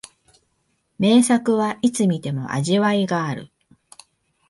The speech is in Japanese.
名作はいつ観ても味わいがある